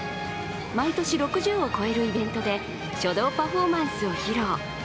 毎年６０を超えるイベントで書道パフォーマンスを披露。